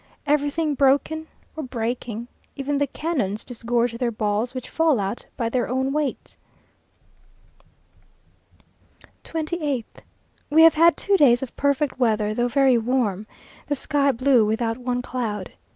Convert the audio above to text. Everything broken or breaking. Even the cannons disgorge their balls, which fall out by their own weight. 28th. We have had two days of perfect weather though very warm; the sky blue, without one cloud.